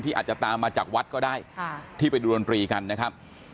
อาจจะตามมาจากวัดก็ได้ที่ไปดูดนตรีกันนะครับ